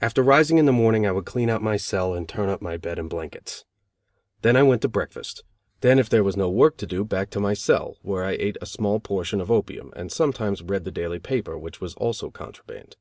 After rising in the morning I would clean out my cell, and turn up my bed and blankets; then I went to breakfast, then if there was no work to do, back to my cell, where I ate a small portion of opium, and sometimes read the daily paper, which was also contraband.